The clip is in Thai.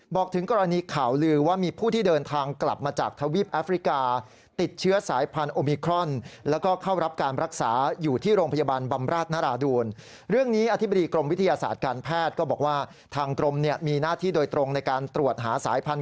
บอกถึงกรณีข่าวลือว่ามีผู้ที่เดินทางกลับมาจากทวีปแอฟริกา